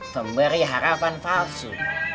pemberi harapan palsu